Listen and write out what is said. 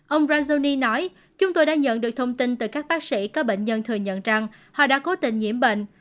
ông ransoni nói chúng tôi đã nhận được thông tin từ các bác sĩ có bệnh nhân thừa nhận rằng họ đã cố tình nhiễm bệnh